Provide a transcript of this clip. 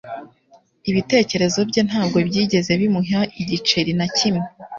Ibitekerezo bye ntabwo byigeze bimuha igiceri na kimwe.